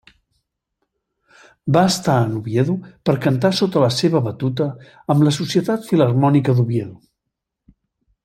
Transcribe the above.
Va estar en Oviedo per cantar sota la seva batuta amb la Societat Filharmònica d'Oviedo.